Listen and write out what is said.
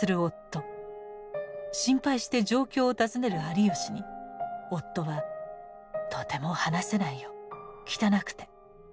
心配して状況を尋ねる有吉に夫は「とても話せないよ汚くて」と苦笑したといいます。